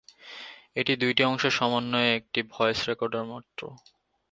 এটি দুইটি অংশের সমন্বয়ে একটি ভয়েস রেকর্ডার মাত্র।